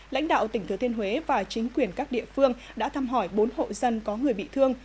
lãnh đạo tỉnh thừa thiên huế và chính quyền các địa phương đã thăm hỏi bốn hộ dân có người bị thương